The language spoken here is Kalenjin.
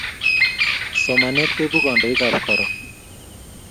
Somanet koipu kandoik ab Karon